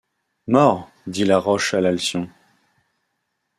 Mort! dit la roche à l’alcyon.